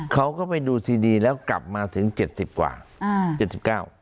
เขาก็ไปดูซีดีแล้วกลับมาถึงเจ็ดสิบกว่าอ่าเจ็ดสิบเก้า